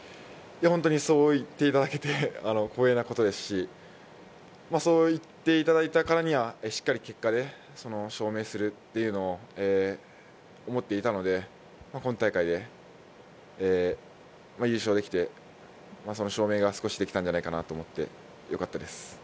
そう言っていただけて光栄なことですし、そう言っていただいたからにはしっかり結果で証明するっていうのを思っていたので、今大会で優勝できてその証明が少しできたんじゃないかなと思ってよかったです。